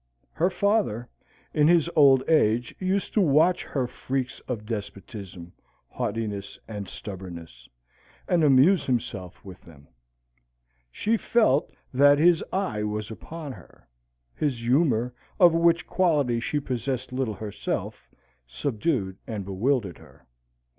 Her father, in his old age, used to watch her freaks of despotism, haughtiness, and stubbornness, and amuse himself with them. She felt that his eye was upon her; his humour, of which quality she possessed little herself, subdued and bewildered her.